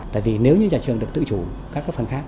tại vì nếu như nhà trường được tự chủ các phần khác